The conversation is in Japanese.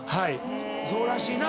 そうらしいな。